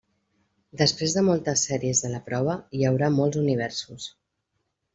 Després de moltes sèries de la prova, hi haurà molts universos.